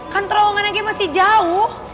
kan terowongan aja masih jauh